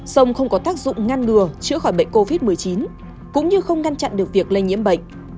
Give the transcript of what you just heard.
sông không có tác dụng ngăn ngừa chữa khỏi bệnh covid một mươi chín cũng như không ngăn chặn được việc lây nhiễm bệnh